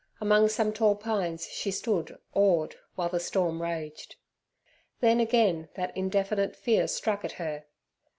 Among some tall pines she stood awed, while the storm raged. Then again that indefinite fear struck at her.